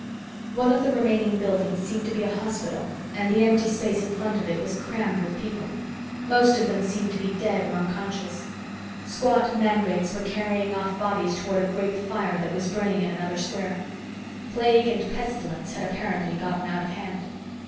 One of the remaining buildings seemed to be a hospital, and the empty space in front of it was crammed with people. Most of them seemed to be dead or unconscious. Squat mandrakes were carrying off bodies toward a great fire that was burning in another square. Plague and pestilence had apparently gotten out of hand.